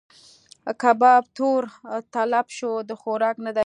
کباب تور تلب شو؛ د خوراک نه دی.